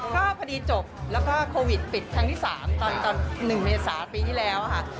ก็พอดีจบแล้วก็โควิดปิดครั้งที่๓ตอน๑เมษาปีที่แล้วค่ะ